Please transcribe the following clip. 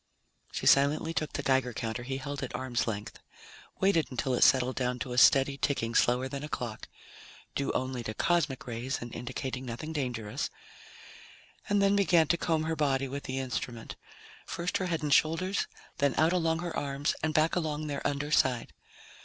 She silently took the Geiger counter he held at arm's length, waited until it settled down to a steady ticking slower than a clock due only to cosmic rays and indicating nothing dangerous and then began to comb her body with the instrument. First her head and shoulders, then out along her arms and back along their under side.